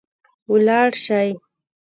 ولاړ سئ